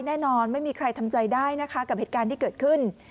แน่นอนไม่มีใครทำใจได้นะคะกับเหตุการณ์ที่เกิดขึ้น